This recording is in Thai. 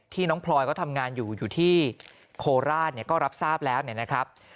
น้องพลอยเขาทำงานอยู่อยู่ที่โคราชเนี่ยก็รับทราบแล้วเนี่ยนะครับ